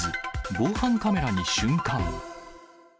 防犯カメラに瞬間。